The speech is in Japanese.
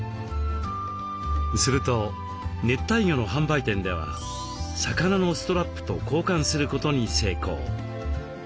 すると熱帯魚の販売店では魚のストラップと交換することに成功。